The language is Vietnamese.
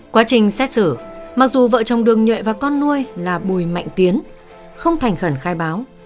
quá trình xét xử mặc dù vợ chồng đường nhuệ và con nuôi là bùi mạnh tiến không thành khẩn khai báo